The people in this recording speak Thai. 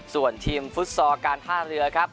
ส่วนทีมฟุตซอลการท่าเรือครับ